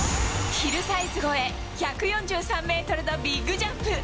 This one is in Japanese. ヒルサイズ越え、１４３メートルのビッグジャンプ。